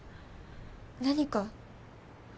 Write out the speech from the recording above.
何か？